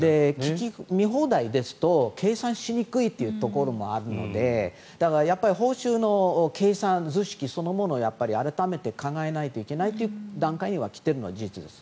見放題ですと計算しにくいというところもあるのでだから報酬の計算図式そのものを改めて考えないといけない段階に来ているのは事実です。